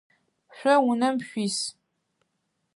Шъо унэм шъуис?